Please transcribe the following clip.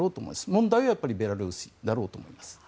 問題はやっぱりベラルーシだろうと思います。